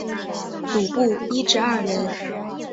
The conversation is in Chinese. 主薄一至二人。